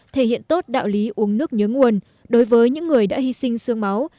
thể hiện tốt đạo lý uống nước nhớ nguồn đối với những người đã hy sinh sương máu